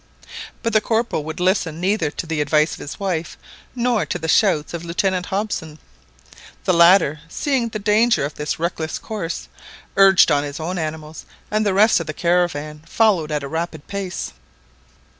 But the Corporal would listen neither to the advice of his wife nor to the shouts of Lieutenant Hobson. The latter, seeing the danger of this reckless course, urged on his own animals, and the rest of the caravan followed at a rapid pace.